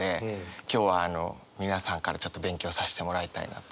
今日は皆さんからちょっと勉強させてもらいたいなと。